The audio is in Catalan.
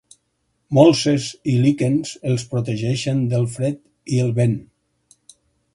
Molses i líquens el protegeixen del fred i el vent.